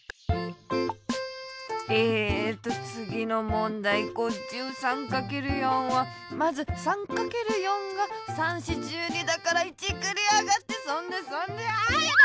えとつぎのもんだい５３×４はまず３×４が３×４＝１２だから１くりあがってそんでそんであやだ！